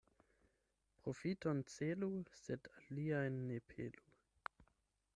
Profiton celu, sed aliajn ne pelu.